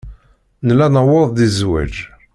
Nella nuweḍ-d i zzwaj.